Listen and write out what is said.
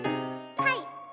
はい！